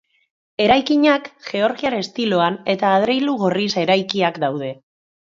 Eraikinak Georgiar estiloan eta adreilu gorriz eraikiak daude.